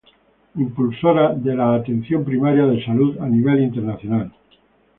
Impulsora de la Atención Primaria de Salud a nivel internacional.